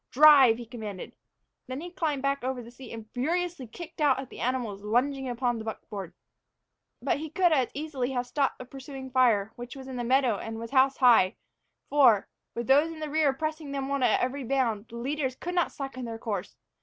"Drive," he commanded. Then he climbed back over the seat and furiously kicked out at the animals lunging upon the buckboard. But he could as easily have stopped the pursuing fire, which was in the meadow and was house high; for, with those in the rear pressing them on at every bound, the leaders could not slacken their course.